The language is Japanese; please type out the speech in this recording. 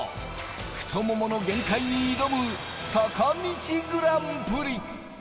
太ももの限界に挑む坂道グランプリ。